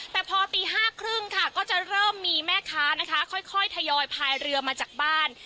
แต่พอตี๕๓๐ค่ะก็จะเริ่มมีแม่ค้านะคะค่อยทยอยพายเรือมาจากบ้าน